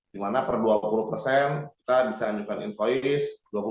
di mana per dua puluh persen kita bisa anjukkan invoice